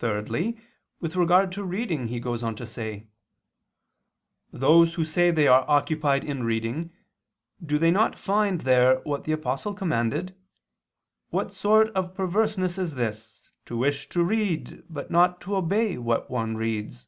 Thirdly, with regard to reading, he goes on to say: "Those who say they are occupied in reading, do they not find there what the Apostle commanded? What sort of perverseness is this, to wish to read but not to obey what one reads?"